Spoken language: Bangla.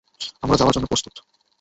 আমরা যাওয়ার জন্য প্রস্তুত।